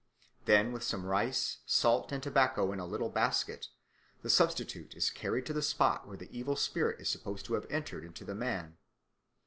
Then, with some rice, salt, and tobacco in a little basket, the substitute is carried to the spot where the evil spirit is supposed to have entered into the man.